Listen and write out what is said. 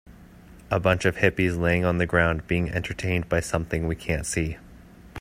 A bunch of hippies laying on the ground being entertained by something we ca n't see.